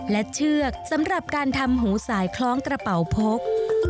และเชือกสำหรับการทำหูสายคล้องกระเป๋าพก